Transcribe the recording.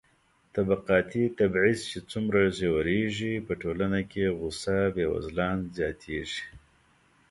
طبقاتي تبعيض چې څومره ژورېږي، په ټولنه کې غوسه بېوزلان زياتېږي.